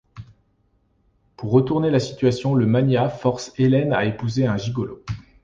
Pour retourner la situation le magnat force Hélène à épouser un gigolo.